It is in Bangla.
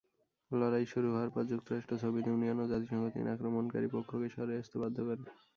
লড়াই শুরু হওয়ার পর যুক্তরাষ্ট্র, সোভিয়েত ইউনিয়ন ও জাতিসংঘ তিন আক্রমণকারী পক্ষকে সরে আসতে বাধ্য করে।